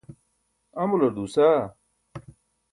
amular duusaa